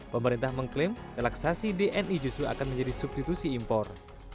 pemerintah mengklaim relaksasi dni justru akan menjadi substitusi impor